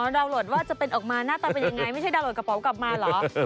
อ๋อดาวน์โหลดว่าจะเป็นออกมาหน้าตาเป็นยังไง